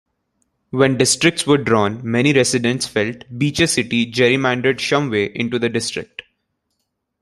When districts were drawn many residents felt Beecher City gerrymandered Shumway into the district.